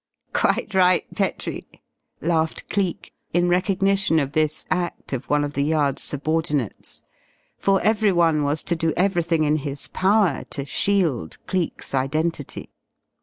"Quite right, Petrie," laughed Cleek, in recognition of this act of one of the Yard's subordinates; for everyone was to do everything in his power to shield Cleek's identity.